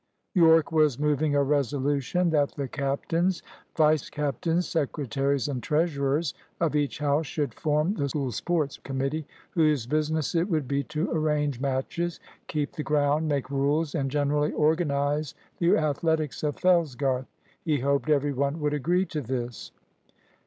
Yorke was moving a resolution that the captains, vice captains, secretaries, and treasurers of each house should form the School sports committee, whose business it would be to arrange matches, keep the ground, make rules, and generally organise the athletics of Fellsgarth. He hoped every one would agree to this.